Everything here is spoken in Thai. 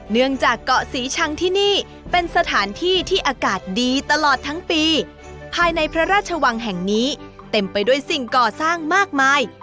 เนื่องจากเกาะศรีชังที่นี่เป็นสถานที่ที่อากาศดีตลอดทั้งปีภายในพระราชวังแห่งนี้เต็มไปด้วยสิ่งก่อสร้างมากมาย